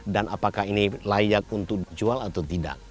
dan apakah ini layak untuk dijual atau tidak